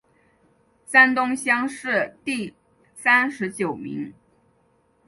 山东乡试第三十九名。